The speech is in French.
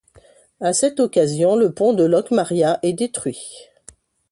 À cette occasion, le pont de Locmaria est détruit.